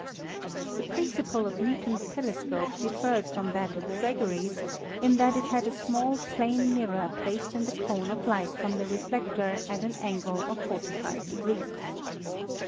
The principle of Newton's telescope differed from that of Gregory's in that it had a small plane mirror placed in the cone of light from the reflector at an angle of 45 degrees.